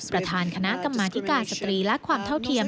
ประธานคณะกรรมาธิการสตรีและความเท่าเทียม